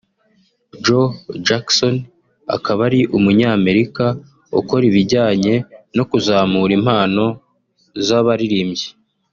Joe Jackson akaba ari umunyamerika ukora ibijyanye no kuzamura impano z’abaririmbyi